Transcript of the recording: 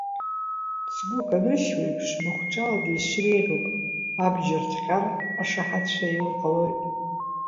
Цгәык аныршьуеиԥш, махәҿала дизшьыр еиӷьуп, абџьар ҭҟьар ашаҳаҭцәа аиур ҟалоит.